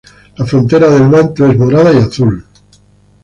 La frontera del manto es morada y azul.